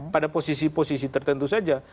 pada posisi posisi tertentu saja